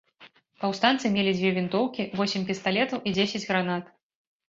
Паўстанцы мелі дзве вінтоўкі, восем пісталетаў і дзесяць гранат.